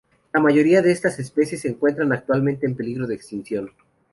La mayoría de estas especies se encuentran actualmente en peligro de extinción.